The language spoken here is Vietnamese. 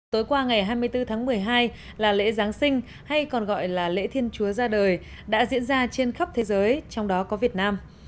tối qua ngày hai mươi bốn tháng một mươi hai là lễ giáng sinh hay còn gọi là lễ thiên chúa ra đời đã diễn ra trên khắp thế giới trong đó có việt nam